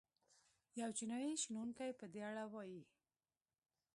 یو چینايي شنونکی په دې اړه وايي.